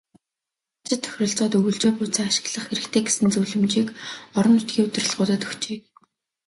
Малчид тохиролцоод өвөлжөө бууцаа ашиглах хэрэгтэй гэсэн зөвлөмжийг орон нутгийн удирдлагуудад өгчээ.